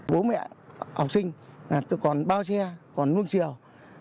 bố mẹ học sinh tôi còn bao che còn nuốc chiều